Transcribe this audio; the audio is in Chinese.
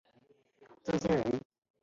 曾铣人。